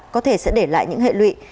có thể sẽ để lại những hệ lụy